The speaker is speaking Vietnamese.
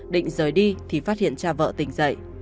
định rời đi thì phát hiện cha vợ tỉnh dậy